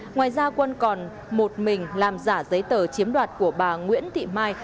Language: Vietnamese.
ngoài ra quân còn một mình làm giả giấy tờ chiếm đoạt của bà nguyễn thị mai